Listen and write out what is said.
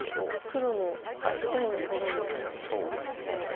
黒の弱点をとがめたようなところ。